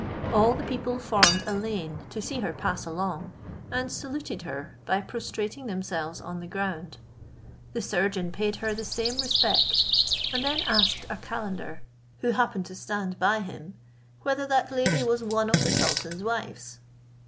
All the people formed a lane to see her pass along, and saluted her by prostrating themselves on the ground. The surgeon paid her the same respect, and then asked a calender, who happened to stand by him, "Whether that lady was one of the sultan's wives?"